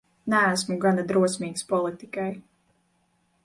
Neesmu gana drosmīgs politikai.